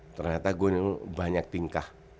ternyata gue banyak tingkah